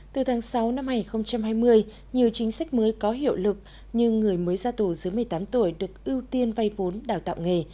từ tháng sáu năm hai nghìn hai mươi nhiều chính sách mới có hiệu lực như người mới ra tù dưới một mươi tám tuổi được ưu tiên vay vốn đào tạo nghề